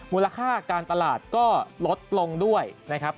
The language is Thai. มูลค่าการตลาดก็ลดลงด้วยนะครับ